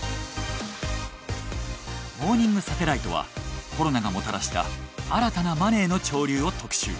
『モーニングサテライト』はコロナがもたらした新たなマネーの潮流を特集。